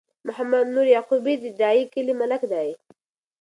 محمد نور یعقوبی د ډایی کلی ملک دی